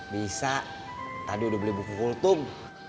bisa tadi udah beli buku kultum